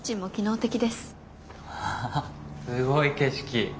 うわすごい景色。